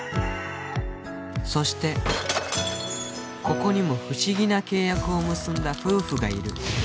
そしてここにも不思議な契約を結んだ夫婦がいる